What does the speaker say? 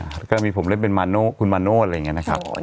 แล้วก็มีผมเล่นเป็นมาโน่คุณมาโนธอะไรอย่างนี้นะครับ